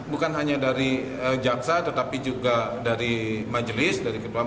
bukan hanya dari jaksa tetapi juga dari majelis